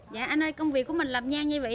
dạ anh ơi công việc của mình làm nhang như vậy